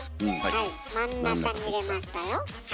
はい真ん中に入れましたよ。